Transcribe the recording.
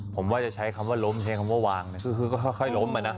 ผมว่าจะใช้คำว่าล้มใช้คำว่าวางเนี่ยคือก็ค่อยล้มอ่ะนะ